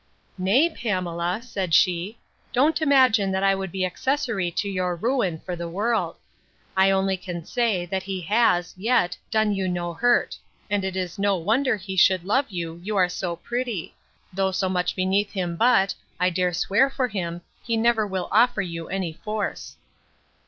Nay, Pamela, said she, don't imagine that I would be accessory to your ruin for the world. I only can say, that he has, yet, done you no hurt; and it is no wonder he should love you, you are so pretty; though so much beneath him but, I dare swear for him, he never will offer you any force.